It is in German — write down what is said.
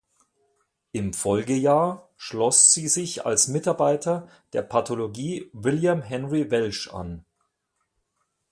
Im Folgejahr schloss sie sich als Mitarbeiter der Pathologie William Henry Welch an.